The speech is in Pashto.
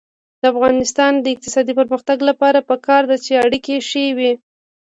د افغانستان د اقتصادي پرمختګ لپاره پکار ده چې اړیکې ښې وي.